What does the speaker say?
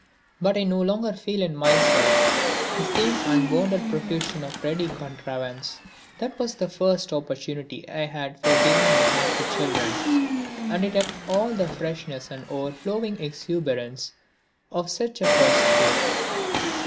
But I no longer feel in myself the same unbounded profusion of ready contrivance. That was the first opportunity I had for giving my heart to children, and it had all the freshness and overflowing exuberance of such a first gift.